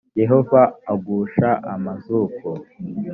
yehova agusha amazuku